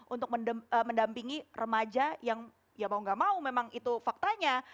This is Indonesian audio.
untuk mendampingi remaja yang ya mau gak mau memang itu faktanya